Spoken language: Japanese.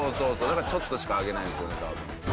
だから、ちょっとしかあげないんですよね、多分。